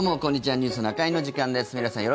「ニュースな会」の時間です。